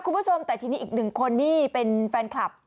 คุณผู้ชมแต่ทีนี้อีกหนึ่งคนนี่เป็นแฟนคลับ